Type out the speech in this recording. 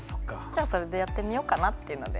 じゃあそれでやってみようかなっていうので。